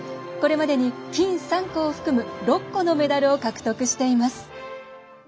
これまでに金３個を含む６個のメダルを獲得しています。